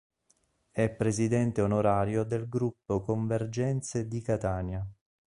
È Presidente onorario del Gruppo Convergenze di Catania.